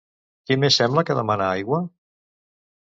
Qui més sembla que demana aigua?